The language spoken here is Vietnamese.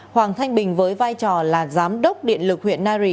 hoàng thanh bình với vai trò là giám đốc điện lực huyện nari